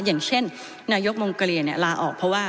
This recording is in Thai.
อย่างเช่นนายกมงเกลียลาออกเพราะว่า